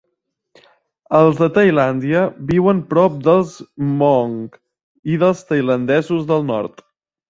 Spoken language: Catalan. Els de Tailàndia viuen prop dels Hmong i dels tailandesos del nord.